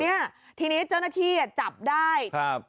เนี่ยทีนี้เจ้าหน้าที่จับได้